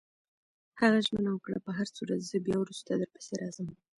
هغه ژمنه وکړه: په هرصورت، زه بیا وروسته درپسې راځم.